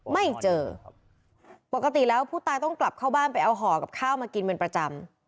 ไม่เจอปกติแล้วผู้ตายต้องกลับเข้าบ้านไปเอาห่อกับข้าวมากินเป็นประจำ